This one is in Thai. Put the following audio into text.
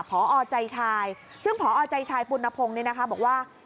ผใจชายซึ่งผใจชายปุณภงนี่นะคะบอกว่า